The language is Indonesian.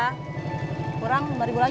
halera luar biasa mak